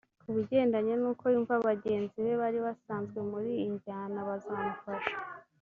Kubigendanye n’uko yumva bagenzi be bari basanzwe muri iyi njyana bazamufata